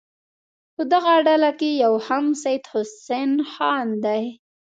په دغه ډله کې یو هم سید حسن خان دی.